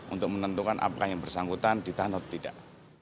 untuk menentukan apakah yang bersangkutan ditahan atau tidak